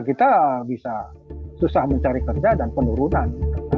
kita bisa susah mencari kerja dan penurunan